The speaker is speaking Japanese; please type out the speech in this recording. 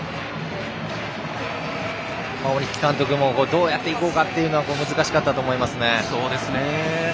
鬼木監督もどうやっていくかは難しかったと思います。